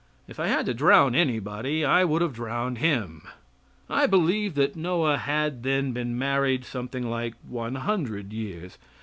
If I had to drown anybody, I would have drowned him. I believe that Noah had then been married something like one hundred years.